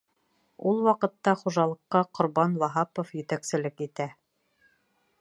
Ул ваҡытта хужалыҡҡа Ҡорбан Ваһапов етәкселек итә.